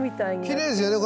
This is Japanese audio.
きれいですよね